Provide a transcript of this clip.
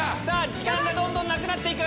時間がどんどんなくなって行く！